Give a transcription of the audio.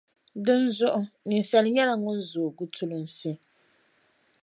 Dinzuɣu, ninsala nyɛla ŋun zooi gutulunsi.